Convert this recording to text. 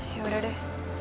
ya udah deh